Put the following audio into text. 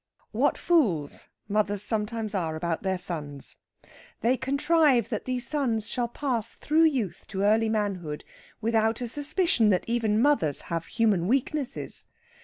What fools mothers sometimes are about their sons! They contrive that these sons shall pass through youth to early manhood without a suspicion that even mothers have human weaknesses.